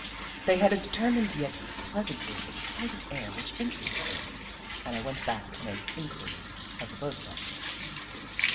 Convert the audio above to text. They had a determined, yet pleasantly excited air which interested me, and I went back to make inquiries of the postmaster.